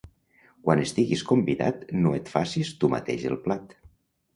Quan estiguis convidat no et facis tu mateix el plat.